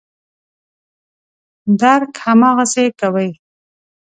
درک هماغسې کوي.